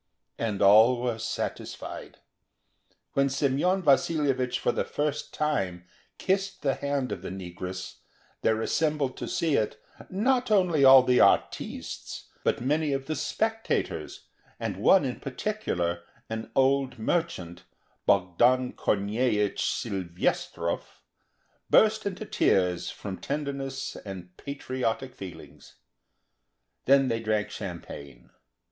And all were satisfied. When Semyon Vasilyevich for the first time kissed the hand of the negress, there assembled to see it, not only all the artistes, but many of the spectators, and one in particular, an old merchant, Bogdan Kornyeich Seliverstov, burst into tears from tenderness and patriotic feelings. Then they drank champagne.